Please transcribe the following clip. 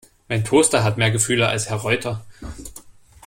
Mein Toaster hat mehr Gefühle als Herr Reuter!